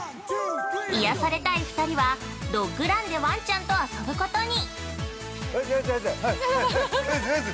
◆癒やされたい２人はドッグランでわんちゃんと遊ぶことに。